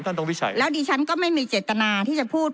ตรงวิชัยแล้วดิฉันก็ไม่มีเจตนาที่จะพูด